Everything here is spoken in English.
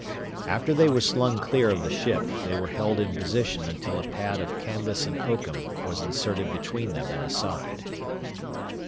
After they were slung clear of the ship, they were held in position until a pad of canvas and oakum was inserted between them and the side.